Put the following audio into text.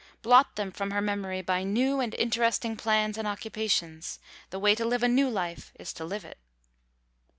Blot them from her memory by new and interesting plans and occupations. The way to live a new life is to live it.